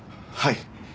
はい。